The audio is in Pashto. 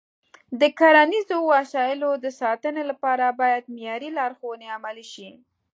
د کرنیزو وسایلو د ساتنې لپاره باید معیاري لارښوونې عملي شي.